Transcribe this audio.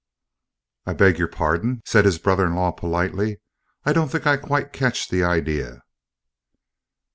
"I beg your pardon," said his brother in law politely, "I don't think I quite catch the idea."